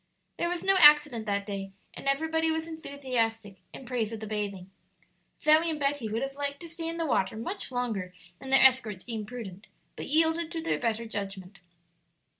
There was no accident that day, and everybody was enthusiastic in praise of the bathing. Zoe and Betty would have liked to stay in the water much longer than their escorts deemed prudent, but yielded to their better judgment.